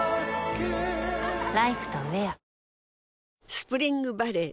スプリングバレー